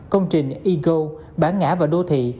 công trình ego bã ngã và đô thị